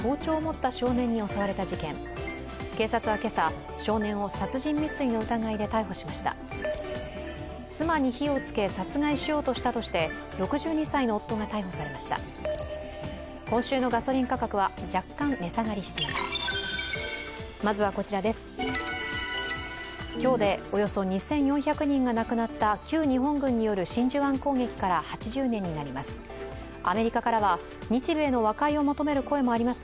今日でおよそ２４００人が亡くなった旧日本軍による真珠湾攻撃から８０年になります。